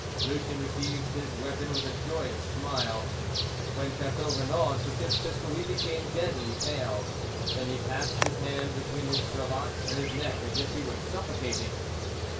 Lucien received his weapon with a joyous smile. When Chateau Renaud took his pistol he became deadly pale. Then he passed his hand between his cravat and his neck as if he were suffocating.